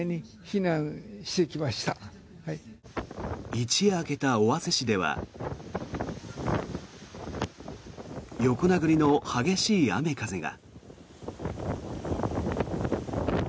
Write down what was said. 一夜明けた尾鷲市では横殴りの激しい雨風が。